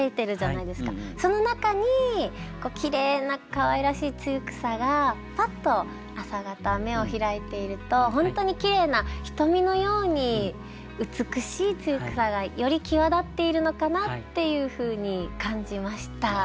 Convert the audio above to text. その中にきれいなかわいらしい露草がパッと朝方瞳をひらいていると本当にきれいな瞳のように美しい露草がより際立っているのかなっていうふうに感じました。